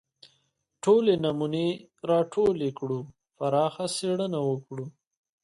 ټولې نمونې راټولې کړو پراخه څېړنه وکړو